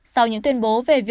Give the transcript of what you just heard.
sau những tuyên bố về việc